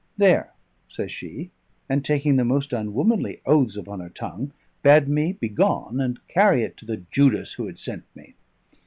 "There!" says she, and, taking the most unwomanly oaths upon her tongue, bade me begone and carry it to the Judas who had sent me.